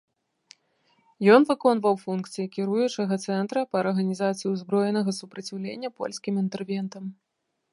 Ён выконваў функцыі кіруючага цэнтра па арганізацыі ўзброенага супраціўлення польскім інтэрвентам.